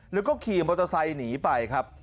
แล้วก็ขี่มอเตอร์ไซค์หนีไปครับ